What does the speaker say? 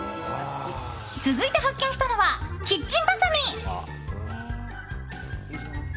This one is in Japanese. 続いて発見したのはキッチンばさみ。